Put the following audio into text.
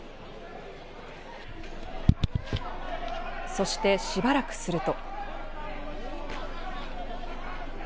そして、しばらくすると。